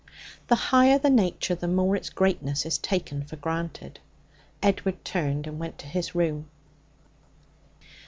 The higher the nature, the more its greatness is taken for granted. Edward turned and went to his room.